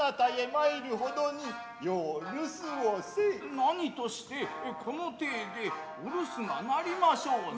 何としてこの体でお留守がなりましょうぞ。